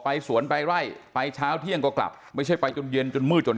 สวนไปไล่ไปเช้าเที่ยงก็กลับไม่ใช่ไปจนเย็นจนมืดจน